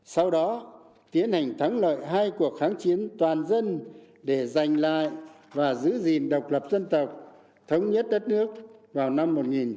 sau đó tiến hành thắng lợi hai cuộc kháng chiến toàn dân để giành lại và giữ gìn độc lập dân tộc thống nhất đất nước vào năm một nghìn chín trăm bảy mươi năm